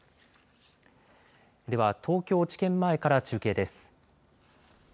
では東京地検前から中継です。